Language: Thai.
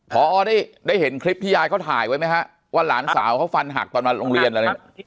หัวอออกได้เห็นคลิปที่ยายเค้าถ่ายไหมว่าหลานสาวเค้ฟันหักตอนมาฬงเรียนอะไร